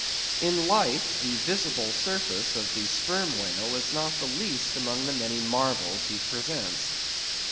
In life, the visible surface of the Sperm Whale is not the least among the many marvels he presents.